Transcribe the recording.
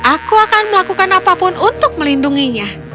aku akan melakukan apapun untuk melindunginya